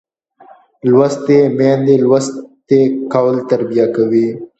لوستې میندې لوستی کول تربیه کوي